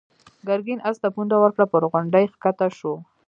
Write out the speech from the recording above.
ګرګين آس ته پونده ورکړه، پر غونډۍ کښته شو.